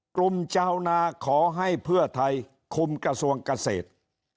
กลุ่มชาวนาขอให้เพื่อไทยคุมกระทรวงเกษตร